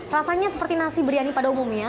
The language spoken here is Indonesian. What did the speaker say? rasanya seperti nasi biryani pada umumnya